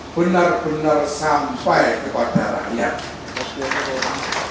benar benar sampai kepada rakyat